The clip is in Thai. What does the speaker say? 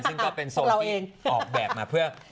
ซึ่งก็เป็นโซนที่ออกแบบมาเพื่อ